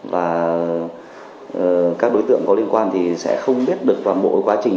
và các đối tượng có liên quan thì sẽ không biết được toàn bộ quá trình